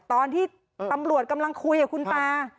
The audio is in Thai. ตอนที่ตำรวจกำลังคุยกับคุณตา